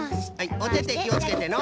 おててきをつけての。